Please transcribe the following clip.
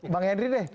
bang henry deh